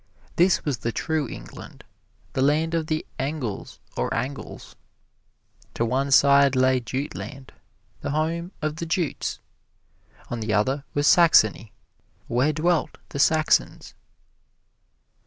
This was the true Eng Land, the land of the Engles or Angles. To one side lay Jute Land, the home of the Jutes. On the other was Saxony, where dwelt the Saxons.